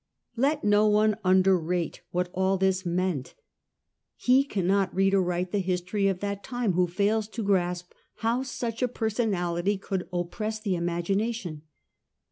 ^ Let no one underrate what all this meant. He cannot read aright the history of that time, who fails to grasp how such a personality could oppress the imagina tion.